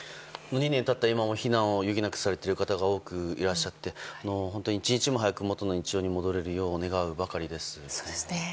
２年経った今も避難を余儀なくされている方が多くいらっしゃって本当に一日も早く元の日常に戻れるよう願うばかりです。